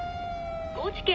高知県